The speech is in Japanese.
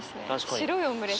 白いオムレツ。